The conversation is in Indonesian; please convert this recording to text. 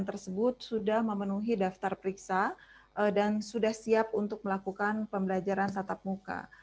tersebut sudah memenuhi daftar periksa dan sudah siap untuk melakukan pembelajaran tatap muka